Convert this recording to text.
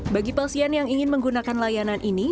bagi pasien yang ingin menggunakan layanan ini